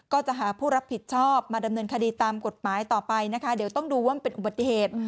ก็จะหาผู้รับผิดชอบมาดำเนินคดีตามกฎหมายต่อไปนะคะเดี๋ยวต้องดูว่ามันเป็นอุบัติเหตุ